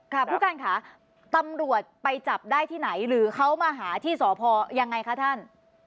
ผู้การค่ะตำรวจไปจับได้ที่ไหนหรือเขามาหาที่สพยังไงคะท่าน